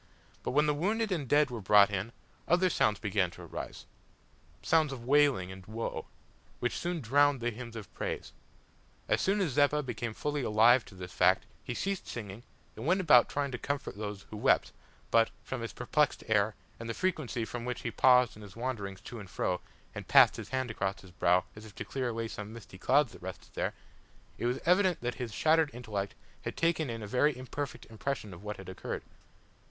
But when the wounded and the dead were brought in, other sounds began to arise sounds of wailing and woe, which soon drowned the hymns of praise. As soon as Zeppa became fully alive to this fact he ceased singing and went about trying to comfort those who wept but, from his perplexed air, and the frequency with which he paused in his wanderings to and fro and passed his hand across his brow, as if to clear away some misty clouds that rested there, it was evident that his shattered intellect had taken in a very imperfect impression of what had occurred.